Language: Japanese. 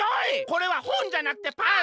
これはほんじゃなくてパン！